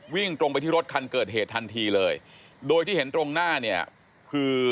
วิ่งตรงไปที่รถคันเกิดเหตุทันทีเลยโดยที่เห็นตรงหน้าเนี่ยคือ